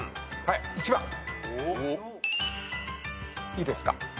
いいですか？